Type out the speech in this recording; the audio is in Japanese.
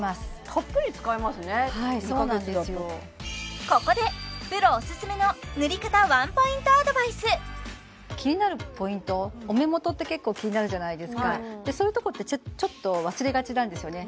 たっぷり使えますね２カ月だとここでプロオススメの塗り方ワンポイントアドバイス気になるポイントお目元って結構気になるじゃないですかでそういうとこってちょっと忘れがちなんですよね